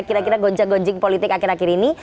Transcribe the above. kira kira gonceng gonceng politik akhir akhir ini